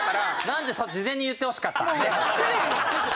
なんで事前に言ってほしかったね。